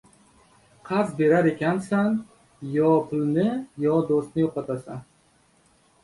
• Qarz berarkansan, yo pulni, yo do‘stni yo‘qotasan.